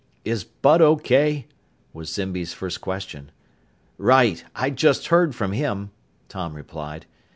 "Is Bud okay?" was Zimby's first question. "Right! I just heard from him," Tom replied.